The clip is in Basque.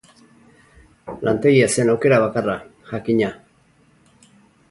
Lantegia zen aukera bakarra, jakina.